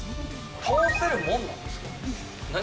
倒せるもんなんですか？